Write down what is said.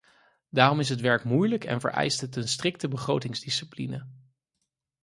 Daarom is het werk moeilijk en vereist het een strikte begrotingsdiscipline.